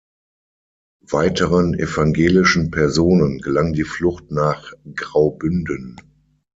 Weiteren evangelischen Personen gelang die Flucht nach Graubünden.